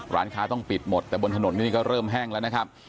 ร้านค้าต้องปิดหมดแต่บนถนนนี่ก็เริ่มแห้งแล้วนะครับ